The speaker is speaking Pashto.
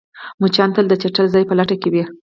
مچان تل د چټل ځای په لټه کې وي